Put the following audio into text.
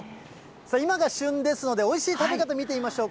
今が旬ですので、おいしい食べ方見てみましょう。